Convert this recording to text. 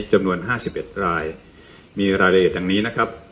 จำนวน๕๑รายมีรายละเอียดแห่งนี้นะครับ